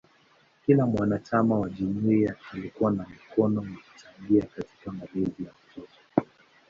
Kila mwanachama wa jumuiya alikuwa na mkono kwa kuchangia katika malezi ya mtoto.